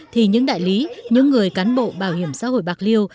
thì những đại lý những người cán bộ bảo hiểm xã hội bạc liêu